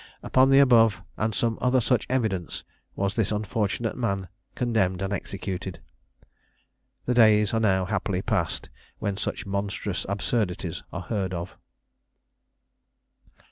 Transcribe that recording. Upon the above, and some other such evidence, was this unfortunate man condemned and executed. The days are now, happily, past, when such monstrous absurdities are heard of.